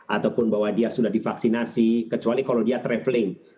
ataupun bahwa dia sudah divaksinasi kecuali kalau dia traveling